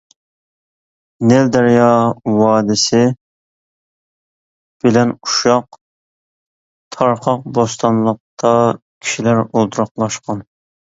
نىل دەريا ۋادىسى بىلەن ئۇششاق، تارقاق بوستانلىقتا كىشىلەر ئولتۇراقلاشقان.